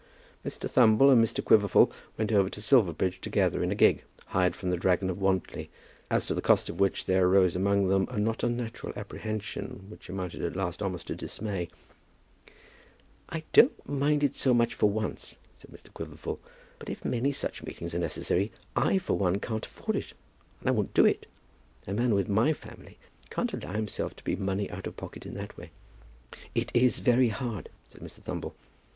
Mr. Thumble and Mr. Quiverful went over to Silverbridge together in a gig, hired from the "Dragon of Wantly" as to the cost of which there arose among them a not unnatural apprehension which amounted at last almost to dismay. "I don't mind it so much for once," said Mr. Quiverful, "but if many such meetings are necessary, I for one can't afford it, and I won't do it. A man with my family can't allow himself to be money out of pocket in that way." "It is hard," said Mr. Thumble.